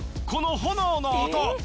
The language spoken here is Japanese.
この炎の音